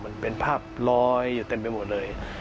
มันเป็นภาพลอยอยู่เต็มไปหมดเลย